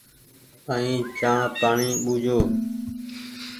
ائين چآنه پآڻيٚ ٻوجھيو۔